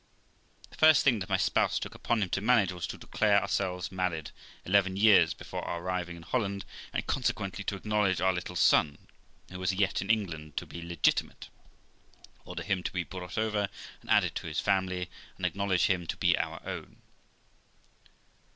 The first thing that my spouse took upon him to manage, was to declare ourselves married eleven years before our arriving in Holland; and conse quently to acknowledge our little son, who was yet in England, to be legitimate; order him to be brought over, and added to his family, and acknowledge him to be our own.